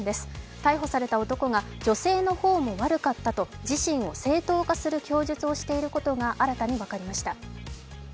逮捕された男が、女性の方も悪かったと自身を正当化する供述をしていることが新たに分かりました。